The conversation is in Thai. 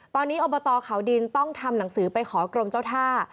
ตอนนี้อบตเขาดินต้องทำหนังสือไปขอกรมเจ้าท่า